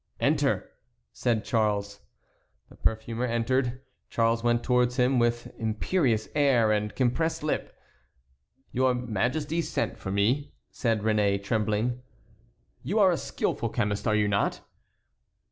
"Enter!" said Charles. The perfumer appeared. Charles went towards him with imperious air and compressed lip. "Your Majesty sent for me," said Réné, trembling. "You are a skilful chemist, are you not?"